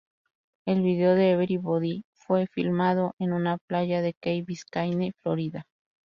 El vídeo de "Everybody" fue filmado en una playa de Key Biscayne, Florida.